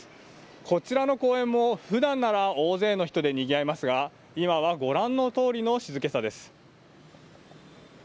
こちらの公園もふだんなら大勢の人でにぎわいますが、今はご覧のとおりの静けさです。